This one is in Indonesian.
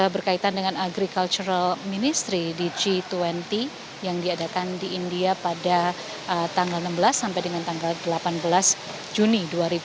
berkaitan dengan agricultural ministry di g dua puluh yang diadakan di india pada tanggal enam belas sampai dengan tanggal delapan belas juni dua ribu dua puluh